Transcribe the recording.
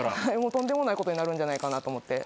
とんでもないことになるんじゃないかなと思って。